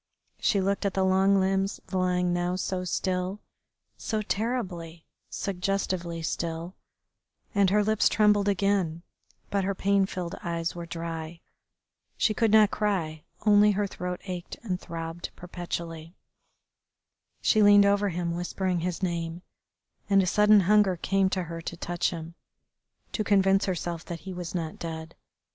She looked at the long limbs lying now so still, so terribly, suggestively still, and her lips trembled again, but her pain filled eyes were dry. She could not cry, only her throat ached and throbbed perpetually. She leaned over him whispering his name, and a sudden hunger came to her to touch him, to convince herself that he was not dead.